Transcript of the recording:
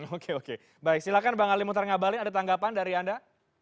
oke oke baik silakan bang ali mutarnyabalin ada tanggapan dari anda